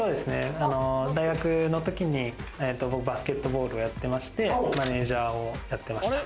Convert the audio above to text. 大学の時にバスケットボールをやってましてマネジャーをやってました。